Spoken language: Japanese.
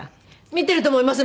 見てると思います